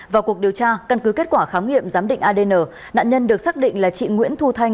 vào cuộc điều tra căn cứ kết quả khám nghiệm giám định adn nạn nhân được xác định là chị nguyễn thu thanh